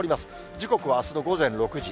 時刻はあすの午前６時。